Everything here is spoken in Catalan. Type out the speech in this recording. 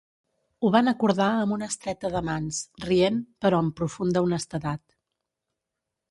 Ho van acordar amb una estreta de mans, rient, però amb profunda honestedat.